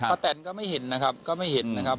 ประแทนก็ไม่เห็นนะครับ